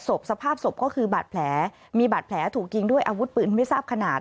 สภาพศพก็คือบาดแผลมีบาดแผลถูกยิงด้วยอาวุธปืนไม่ทราบขนาด